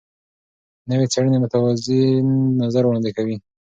نوې څېړنې متوازن نظر وړاندې کوي.